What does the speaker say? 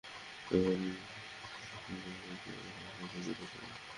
এবং আমিও জানি যে, একমাত্র সাহিত্যের ভিতর দিয়েই এ-অশ্রদ্ধা দূর হতে পারে।